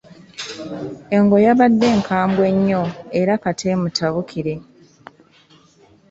Engo yabadde nkambwe nnyo era kata omutabukire.